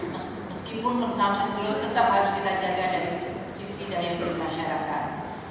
meskipun saham surplus tetap harus kita jaga dari sisi daya beli masyarakat